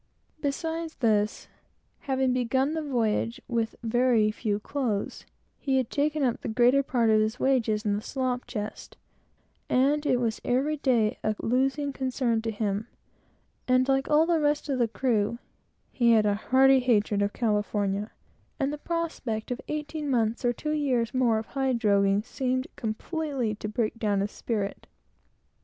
Beside this, having begun the voyage with very few clothes, he had taken up the greater part of his wages in the slop chest, and it was every day a losing concern to him; and, like all the rest of the crew, he had a hearty hatred of California, and the prospect of eighteen months or two years more of hide droghing seemed completely to break down his spirit.